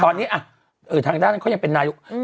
ตอนนี้อ่ะเออทางด้านนั้นเขายังเป็นนายกรัฐมนตรี